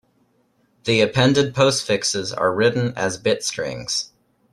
The appended postfixes are written as bit strings.